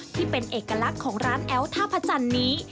ที่เป็นเอกลักษณ์ของร้านแอ้วท่าพระจันทร์นี้